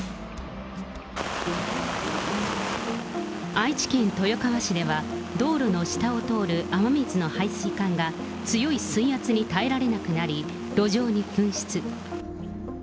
愛知県豊川市では、道路の下を通る雨水の排水管が強い水圧に耐えられなくなり、路上に噴出。